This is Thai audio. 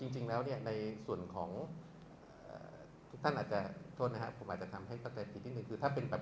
จริงแล้วทุกท่านฯอาจจะโทษนะครับผมอาจทำให้ซักตัวปิดสิ่งหนึ่ง